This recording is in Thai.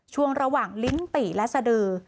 ช่วงระหว่างลิ้นติและสดือ